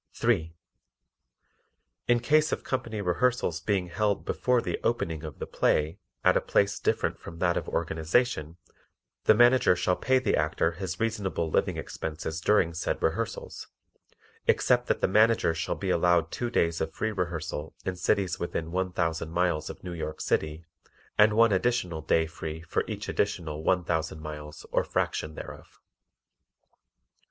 3. In case of company rehearsals being held before the opening of the play at a place different from that of organization, the Manager shall pay the Actor his reasonable living expenses during said rehearsals, except that the Manager shall be allowed two days of free rehearsal in cities within one thousand miles of New York City and one additional day free for each additional one thousand miles or fraction thereof.